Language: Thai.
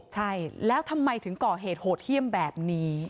ใช่แล้วทำไมถึงก่อเหตุโหดเยี่ยมแบบนี้